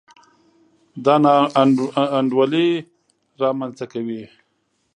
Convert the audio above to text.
دا نا انډولي رامنځته کوي.